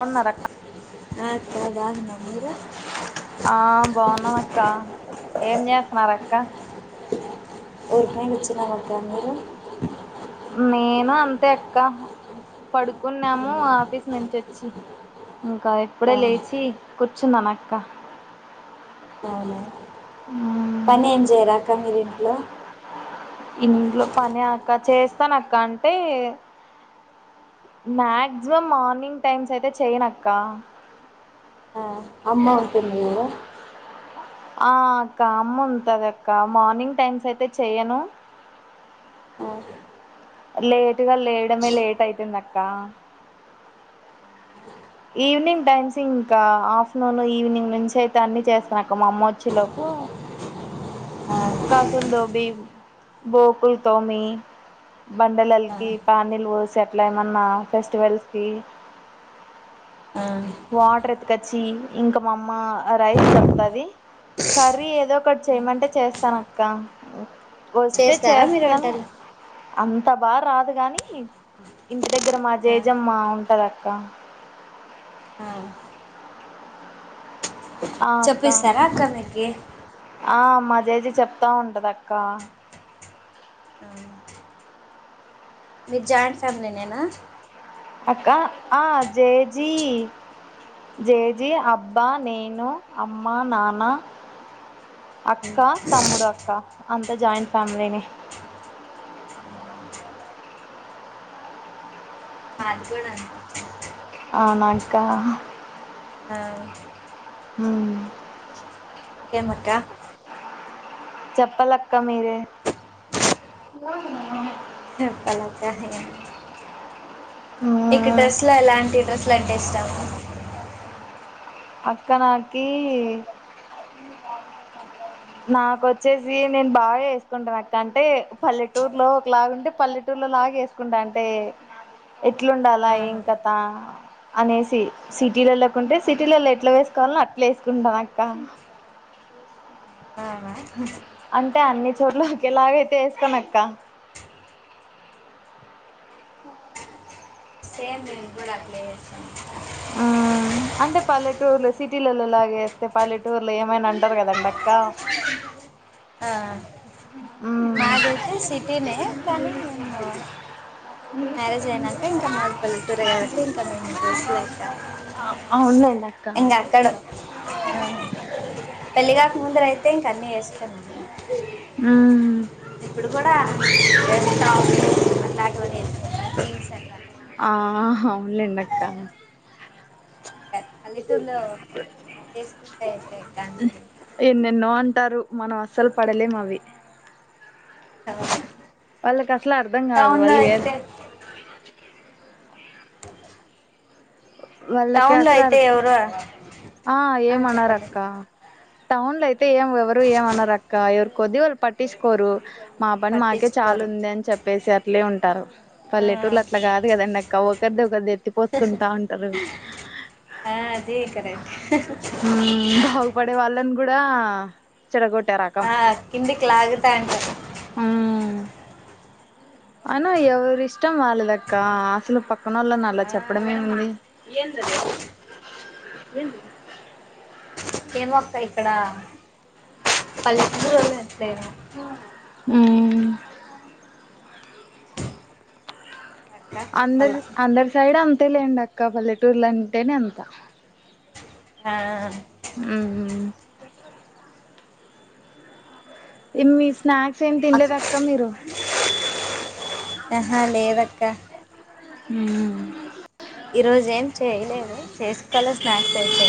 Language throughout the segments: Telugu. బాగున్నారక్క ఆ తదాగన్నా మీర ఆ బాగున్నాం అక్క ఏం చేస్తున్నారు అక్క ఊరికనే కూచున్నాం అక్క మీరు నేను అంతే అక్క పడుకున్నాము ఆఫీస్ నుంచి వచ్చి ఇంకా ఇప్పుడే ఆ లేచి కూర్చున్నాను అక్క అవునా ఉ పని ఏం చేయరా అక్క మీరింట్లో ఇంట్లో పని అక్క చేస్తాను అక్క అంటే మాక్సిమం మార్నింగ్ టైమ్స్ అయితే చేయనక్క ఆ అమ్మ ఉంటుంది కదా ఆ అక్క అమ్ముంటది అక్క మార్నింగ్ టైమ్స్ అయితే చెయ్యను ఆ లేటుగా లేయడమే లేట్ అయితుంది అక్క ఈవినింగ్ టైమ్స్ ఇంకా ఆఫ్టర్నూన్ ఈవినింగ్ నుంచి అయితే అన్నీ చేస్తున్నాక మా అమ్మ వచ్చేలోపు ఆ బాసలు తోమి బోకుల్ తోమి ఆ బండలలకి పానీలు పోసి అట్లేమన్న ఫెస్టివల్స్కి ఆ వాటర్ ఎతుకొచ్చి ఇంకా మా అమ్మ రైస్ చెప్తది కర్రీ ఏదో ఒకటి చేయమంటే చేస్తాను అక్క వస్తే చేస్తారా మీరు చేస్తాను వంటలు అంత బాగా రాదు గాని ఇంటి దగ్గర మా ఆ జేజమ్మ ఉంటది అక్క ఆ ఆ అక్క చెప్పిస్తారా అక్క మీకి ఆ మా జేజి చెప్తా ఉంటది అక్క మీ జాయింట్ ఫ్యామిలీ నేనా అక్క ఆ జేజీ జేజీ అబ్బా నేను అమ్మ నాన్న అక్క తమ్ముడు అక్క అంత జాయింట్ ఫ్యామిలీనే నాకూడ అవునా అక్క ఆ ఉ ఏమక్క చెప్పాలక్క మీరే చెప్పాలక ఏం ఉ ఇక డ్రెస్ లో ఎలాంటి డ్రెస్సులు అంటే ఇష్టం అక్క నాకి నాకొచ్చేసి నేను బాగా వేసుకుంటాను అక్క అంటే పల్లెటూర్ లో ఒకలాగా ఉంటే పల్లె టూర్ల లాగ వేసుకుంటా అంటే ఎట్లుండాలా ఏం ఆహా కథా అనేసి సిటీలళ్లోకుంటే సిటీలలో ఎట్లా వేసుకోవాల అట్లే వేసుకుంటాను అక్క అహా అంటే అన్ని చోట్ల ఒకేలాగ వేసుకోనక్క సేమ్ నేను కూడా అప్లై చేస్తాం ఆ అంటే పల్లెటూర్లో సిటీలలో లాగేస్తే పల్లెటూర్లో ఏమైనా అంటారు కదండి అక్క ఆ ఊమ్ మాదైతే సిటీనే కానీ మేము మ్యారేజ్ అయినాక ఇంకా మాది పల్లెటూరే కాబట్టి ఇంకా మేము అవునులేండి అక్క ఏంది అక్కడో ఆ పెళ్లిగాక ముందర అయితే ఇంక అన్నీ వేస్తున్నా ఊ ఇప్పుడు కూడా వా అట్లాంటివనిది ఆ హవునులేండక్క ఇంకా పల్లెటూరులో చేసుకుంటే ఇక అంతే ఎన్నెన్నో అంటారు మనం అస్సలు పడలేం అవి వాళ్ళ కసలా అర్థంగదు టౌన్ లో వాళ్ళు ఏన్ అయితే [inaudible] [unintelligible] వాళ్ళకి టౌన్ లో అసలు ఆర్ అయితే ఎవరు ఆ ఏమనరు అక్క టౌన్ లో అయితే ఏం ఎవరు ఏమన్నారు అక్క ఎవరి కొద్ది వాళ్ళు పట్టించుకోరు మా పని మాకే చాలా పట్టించుకోరు ఉంది అని చెప్పేసి అట్లే ఉంటారు ఆ పల్లెటూర్ల అట్లా కాదు కదండి అక్క ఒకరిది ఒకరిది ఎత్తి పోసుకుంటా ఉంట ఊ బు ఆ అది కరెక్ట్ బాగుపడే వాళ్ళని కూడా చెడగొట్టారక ఆ కిందికి లాగుతా ఉంటారు ఉమ్ అయినా ఎవరి ఇష్టం వాళ్ళదక్క అసలు పక్కన వాళ్ళ నలా ఆ చెప్పడమే ఏంది ఎందది ఎంది ఏమోక్క ఇక్కడ పల్లెతురుళ్ళినట్లే ఉ ఆ అక్క చెప్పాల అందరు అందరు సైడ్ అంతే లేండి అక్క పల్లెటూరుల అంటేనే అంత ఆ ఉహు ఈవెనింగ్ స్నాక్స్ ఏమి తినలేదు అక్క మీరు ఆహా లేదక్క ఊ ఈ రోజు ఏం చేయలేదు చేసుకోలే స్నాక్స్ అయితే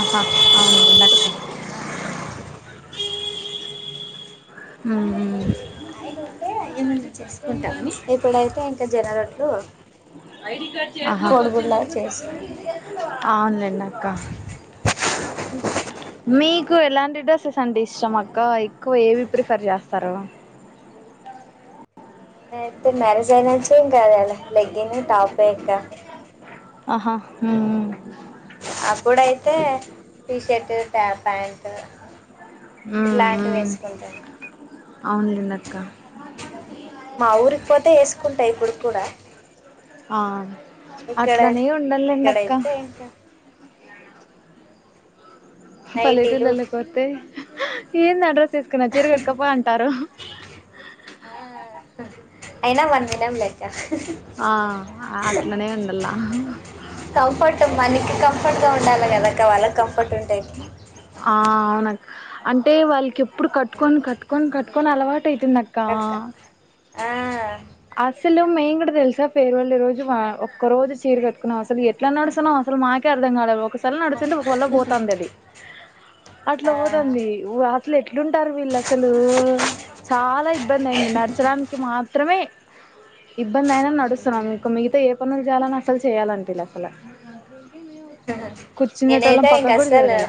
ఆహా అవునులేండి అక్క ఊ ఊ టైమ్ ఉంటే ఏమన్నా చేసుకుంటాము ఇప్పుడైతే ఇంకా జనరొట్లు అహ చేసినాము ఆవునులేండి అక్క మీకు ఎలాంటి డ్రసెస్ అంటే ఇష్టం అక్క ఎక్కువ ఏవి ప్రిఫర్ చేస్తారు నేనైతే మ్యారేజ్ అయిన నుంచి ఇంకా లెహే లెగ్గిన్ ను టాపే అక్క ఆహా ఊ అప్పుడైతే టీషర్ట్ ప్యాంట్ ఊ ఇలాంటివి ఊ వేసుకుంటాను అవును లేండి అక్క మా ఊరికి పోతే వేసుకుంట ఇప్పుడు కూడా ఆ ఇక్కడ అట్లనే ఉండాలేండి అక్క ఇక్కడైతే ఇంకా నైటీలు పల్లెటిళ్లల్లో పోతే ఏంది ఆ డ్రస్ ఏసుకునవ్ చీర కట్కపో అంటారు ఆ అయినా వండినంలే అక్క ఆ అట్లానే ఉండాల్ల కంఫర్ట్ మనకి కంఫర్ట్ గా ఉండాలి కదా అక్క వాళ్ళకు కంఫర్ట్ ఉంటే ఆ అవును అక్ అంటే వాళ్ళకి ఎప్పుడు కట్టుకొని కట్టుకొని కట్టుకొని అలవాటు అయితుంది అ ఎక్స్ కా అస్సలు మేము కూడా తెలుసా ఫేర్వెల్ డే రోజు ఒక్కోరోజు చీర కట్టుకున్నాం అసలు ఎ ఎట్లా నడుస్తున్నాం అసలు మా కూడా అర్ధం కాలే అల నడుస్తుంటే ఒకవల్ల పోతంది అది ఆ అట్లా పోతంది ఓ అట్లా ఎట్లుంటారు వీళ్ళు అసలు చాలా ఇబ్బంది అయింది నడచడానికి మాత్రమే ఇబ్బంది అయినా నడుస్తున్నాం ఇంక మిగతా ఏ పనులు చేయాలన్న అసలు చేయాలనీపిలే అసలు కూర్చునేటోళ్ళం నేనైతే ఇంక పక్కకు కూడా అసలు జరగాల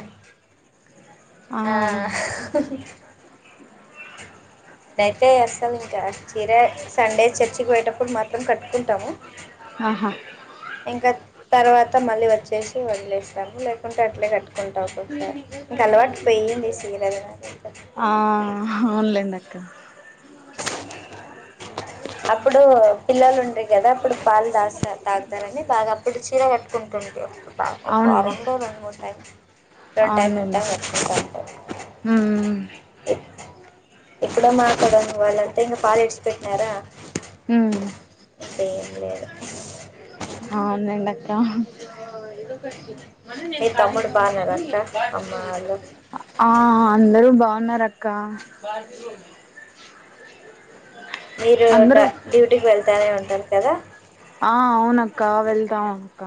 ఆ అయితే అసలు ఇంకా చీరె సండే చర్చికి పోయేటప్పుడు మాత్రం కట్టుకుంటాము ఆహా ఇంకా తర్వాత మళ్ళీ వచ్చేసి వదిలేస్తాము లేకుంటే అట్లే కట్టు కుంటాము ఒక్కసారి ఇంక అలవాటు పోయింది సీరలు ఆ అవును లెండి అక్క అప్పుడు పిల్లలు ఉండే కదా అప్పుడు పాలు దాస్త తాగుతారని బాగా అప్పుడు చీర కట్టుకుంటుంటె అవునులే వరంలో రెండు మూడు టైం రెండు టైం ఉంటా వంట ఉంట [unintelligible] హు ఎక్కడ మా అక్కడని వాళ్ళంతా ఇంకా పాలు ఈడ్చి పెట్టరా హు ఏం లేదు అవునండి అక్క మీ తమ్ముడు బాగున్నారా అక్క అమ్మ వాళ్ళు [inaudible] ఆ అందరూ బాగున్నారు అక్క మీరు డా అందరూ డ్యూటీకి వెళ్తానే ఉంటారు కదా ఆ అవునక్క వెళ్దాం అక్క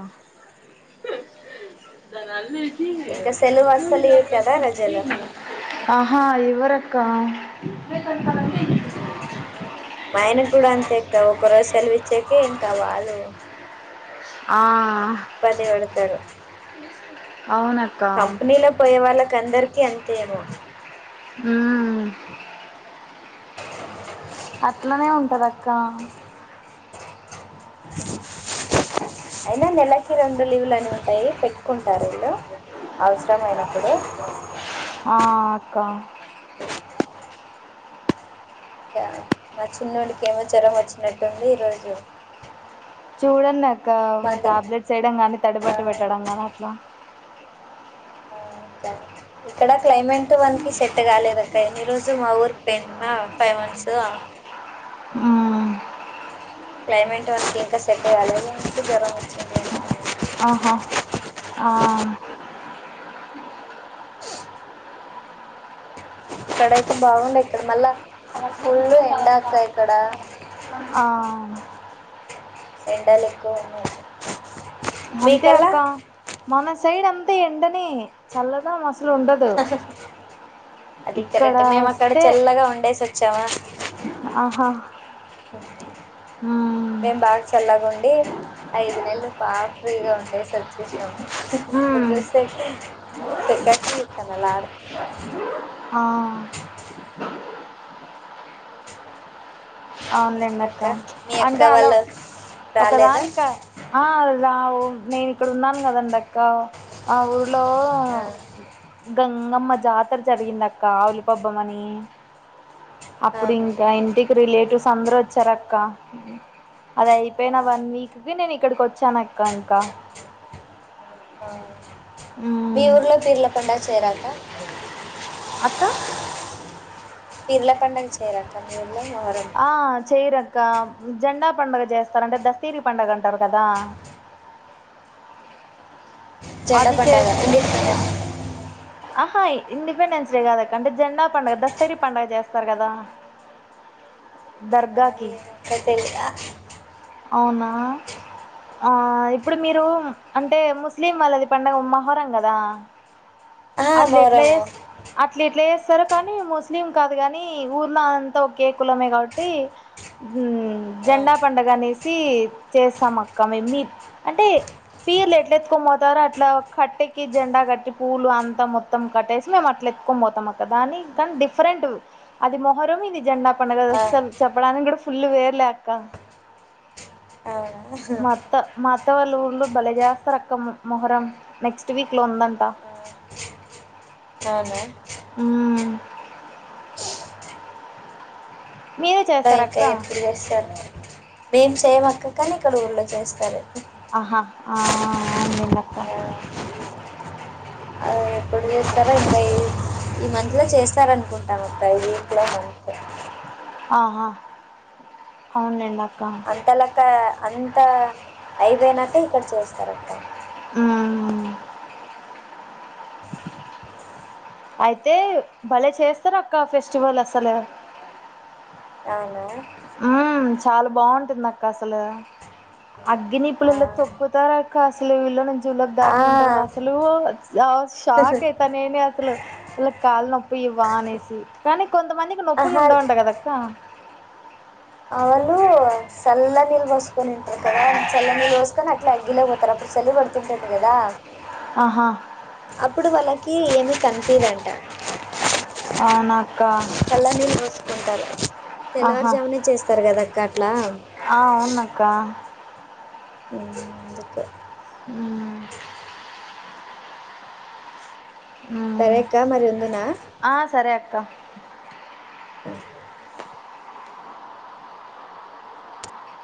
ఇవన్నీ [inaudible] ఇంకా సెలవు అస్సలు ఇవ్వు కదా ప్రజలు ఆహా ఇవ్వరు అక్క మా ఆయన కూడా అంతే ఇత్తే ఒకరోజు సెలవిచ్చేకి ఇంకా వాళ్ళు ఆ ఇబ్బంది పెడతారు అవున అ కంపెనీలో పోయే వాళ్ళకి అందరికీ అంతేమో హు అట్లనే ఉంటది అక్క అయినా నెలకి రెండు లీవులు అని ఉంటాయి పెట్టుకుంటారు వీళ్లు అవసరమైనప్పుడు ఆ అక్క మా చిన్నోడికి ఏమో జ్వరం వచ్చినట్టుంది ఈ రోజు చూడండి అక్క మందులు టాబ్లెట్స్ వేయడం కానీ ఆ తడిబట్టి పెట్టడం గాని అట్లా ఆ థాంక్స్ ఇక్కడ క్లైమేట్ వాణికి సెట్ కాలేదు అక్క ఈ రోజు మా ఊరి పోయిం మా ఫైవ్ మంత్స్ ఉమ్ క్లైమేట్ వాణికి ఇంకా సెట్ కాలేదు వాణికి జ్వరం వచ్చింది ఆహా ఆ ఇక్కడయితే బాగుండాయి ఇక్కడ మళ్ళా ఫుల్ ఎండ అత్త ఇక్కడ ఆ ఎండాల ఎక్కువ ఉన్నాయి అంతే అక్క మీకల్లా మన సైడ్ అంతే ఎండనే చల్లగా అది ఇక్కడ కరెక్ట్మేము అక్కడ వస్తే చెల్లగా ఉండేసి వచ్చామా ఆహా హ్మ్ మేం బాగా చల్లగా ఉండి ఐదు నెల్లు బాగా ఫ్రీగా ఉండేసి వచ్చేసాం ఇపుడు మ్మ్ జుస్తే సేట్ ఇస్తన లార్ ఆ అవునులేండి ఇంకా అక్క మీ అక్క అంటే అలా వాళ్ళు రాలేదా ఒకదానిక ఆ అ రావు నేను ఇక్కడ ఉన్నాను కదండక్క ఆ ఊరిలో ఆ, గంగమ్మ జాతర జరిగింద అక్క ఉలిపబ్బమ అని అప్పుడు ఆహా. ఇంకా ఇంటికి రిలేటివ్స్ అందరు వచ్చారక్క అది ఆ, అయిపోయిన వన్ వీక్కిి నేను ఇక్కడికి వచ్చాన అక్క ఇంకా ఆ ఉ మీ ఊర్లో పీర్ల పంండ చేయరాక్క అక్క ఇర్ల పండగ చేరక్క మీ ఊర్లో మొహరం ఆ చేయరు అక్క జెండా పండుగ చేస్తారు అంట దస్తరి పండుగ అంటారు కదా జండా అది చే పండాగా ఆహా ఇండిపెండెన్స్ డే కాదా అంటే జెండా పండగ దస్తరి పండగ జెస్తారు కదా దర్గాకి పెదలి [unintelligible] అవునా ఆ ఇప్పుడు మీరు అంటే ముస్లిం వాళ్ళది పడుగ మహోరం కదా అట్ల ఎట్లే మొహరము అట్లా ఏట్లా చేస్తారు కానీ ముస్లిం కాదు కానీ ఊర్లో అంతా ఒకే కులమే కాబట్టి ఊ ఆ, జెండా పడుగ అనేసి చేస్తాం అక్క మే మీ అంటే పీర్లు ఎట్ల ఎత్తుకొని పోతారు అట్లా కట్టెకి జెండా కట్టి పూలు అంత అంతా మొత్తం కట్టేసి మేము అట్లా ఎత్తుకొని పోతాము అత్త దాని కానీ డిఫరెంట్ అది మొహరం ఇది జెండా పండడుగద ఆ. అస్సలు చెప్పడానికి కూడా ఫుల్లు వేర్లేక్క ఆ మాత్త మాత్త వాళ్ళ ఊర్లు బలేజైస్తరక్క మొహరం నెక్స్ట్ వీక్ లో ఉందంట ఆ అవునా హుం మీరేచేస్తారక్క చేస్తరు మేం చేయమక్క కానీ ఇక్కడ ఊళ్ళో చేస్తారు ఆహా ఆ ఆందింనాక్క ఆ ఇప్పుడు చేస్తారో ఇంకా ఈ మంత్ లో చేస్తార అనుకుంటాం అక్క ఈ వక్ లో మంత్ ఆహా అవునులెండక్క అంత లెక్క అంత అయిపోయినాక ఇక్కడ చేస్తారు అక్క మ్మ్ అయితే భలే చేస్తారు అక్క ఫెస్టివల్ అసలు అవునా మ్మ్ చాలా బాగుంటుంది అక్క అసలు ఆ అగ్గినిప్పుల్లల్లో తొక్కుతారు అక్క అసలు వీళ్ళ ను జువులోకి ఆ దాటుకుంటారు అసలు షాక్ అయితా నేనే అసలు వీళ్లకు కాళ్లు నొప్పివా అనేసి కానీ కొంతమంది నొప్పులు ఆహా ఉండవంట కదక్క అవును చల్ల నీళ్ళు పోసుకొనింటారు కదా చల్ల నీళ్ళ పోసుకొని అట్లా అగ్గిలే పోతారు అప్పుడు చలి పెడుతుంటది కదా ఆహా అప్పుడు వాళ్ళకి ఏమి కనిపీదంట అవునాక్క చల్ల నీళ్ళు పోసుకుంటారు ఆహా తెల్లవారుజామునే చేస్తారు కదక్క అట్లా ఆ అవునక్క మ్మ్ అందుకే మ్మ్ ఆ సరేక్క మరి ఉందునా ఆ సరే అక్క ఆ